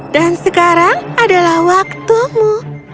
dan sekarang adalah waktumu